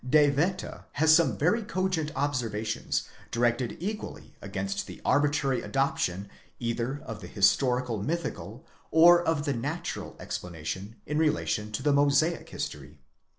De Wette has some very cogent observations directed equally against the arbitrary adoption either of the historical mythical or of the natural explanation in relation to the Mosaic history.